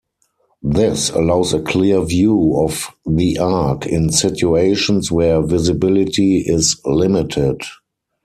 This allows a clear view of the arc in situations where visibility is limited.